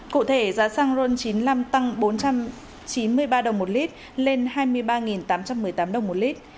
cụ thể giá xăng ron chín mươi năm tăng bốn trăm chín mươi ba đồng một lít lên hai mươi ba tám trăm một mươi tám đồng một lít